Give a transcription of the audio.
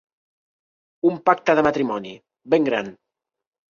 Un pacte de matrimoni, ben gran.